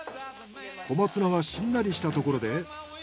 小松菜がしんなりしたところで。